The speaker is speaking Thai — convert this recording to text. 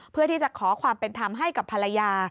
เพื่อที่จะขอความเป็นธรรมให้กับภรรยา